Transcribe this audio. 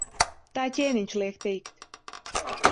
Tā ķēniņš liek teikt.